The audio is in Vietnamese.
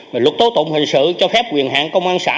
được tố tụng hình sự cho phép quyền hạng công an xã